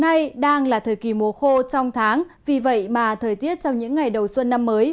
hôm nay đang là thời kỳ mùa khô trong tháng vì vậy mà thời tiết trong những ngày đầu xuân năm mới